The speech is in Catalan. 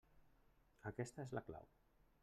Aquesta és la clau.